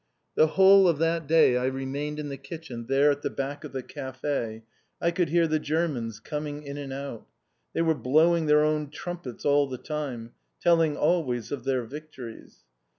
The whole of that day I remained in the kitchen there at the back of the café I could hear the Germans coming in and out. They were blowing their own trumpets all the time, telling always of their victories.